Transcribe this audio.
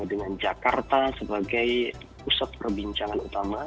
dengan jakarta sebagai pusat perbincangan utama